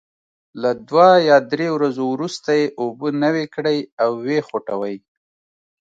له دوه یا درې ورځو وروسته یې اوبه نوي کړئ او وې خوټوئ.